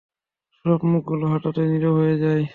সব মুখগুলো হঠাৎই নিরব হয়ে যায়।